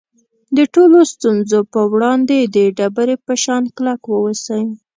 د ټولو ستونزو په وړاندې د ډبرې په شان کلک واوسئ.